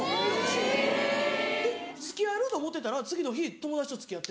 えぇ！で付き合えると思ってたら次の日友達と付き合ってて。